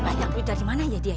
banyak duit dari mana ya dia